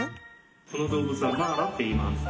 この動物はマーラっていいます。